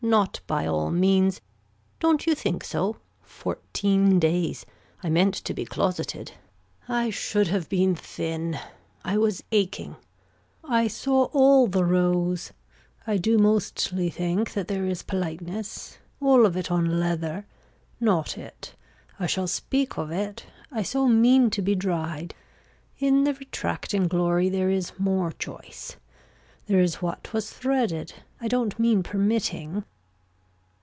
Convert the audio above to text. Not by all means. Don't you think so. Fourteen days. I meant to be closeted. I should have been thin. I was aching. I saw all the rose. I do mostly think that there is politeness. All of it on leather. Not it. I shall speak of it. I so mean to be dried. In the retracting glory there is more choice. There is what was threaded. I don't mean permitting.